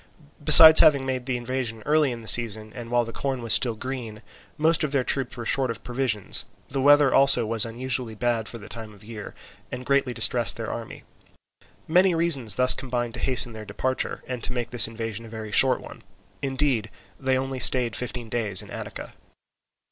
Besides having made their invasion early in the season, and while the corn was still green, most of their troops were short of provisions: the weather also was unusually bad for the time of year, and greatly distressed their army. Many reasons thus combined to hasten their departure and to make this invasion a very short one; indeed they only stayed fifteen days in Attica.